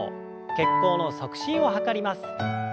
血行の促進を図ります。